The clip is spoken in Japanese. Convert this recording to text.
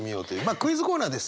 クイズコーナーです。